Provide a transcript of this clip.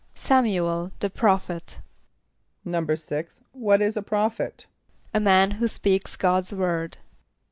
=S[)a]m´u el, the prophet.= =6.= What is a prophet? =A man who speaks God's word.